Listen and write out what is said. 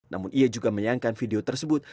namun ia juga menyayangkan video tersebut